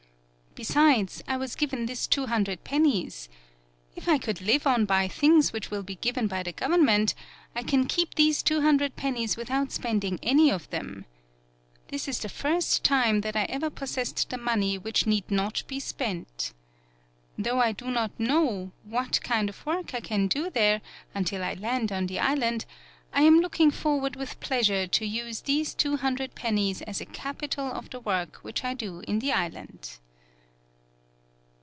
Besides, I was given this two hundred pennies. If I could live on by things which will be given by the gov ernment, I can keep these two hundred pennies without spending any of them. This is the first time that I ever pos sessed the money which need not be spent. Though I do not know what 14 TAKASE BUNE kind of work I can do there, until I land on the island, I am looking forward with pleasure to use these two hundred pennies as a capital of the work which I do in the island."